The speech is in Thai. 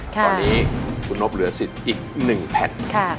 ตอนนี้คุณนบเหลือสิทธิ์อีก๑แผ่น